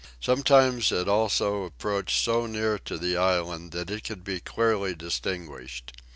Sometimes also it approached so near to the island that it could be clearly distinguished.